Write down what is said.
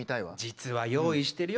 実は用意してるよ